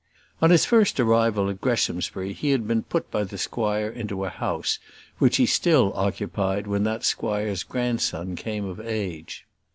On his first arrival at Greshamsbury he had been put by the squire into a house, which he still occupied when that squire's grandson came of age.